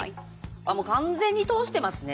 あっもう完全に通してますね。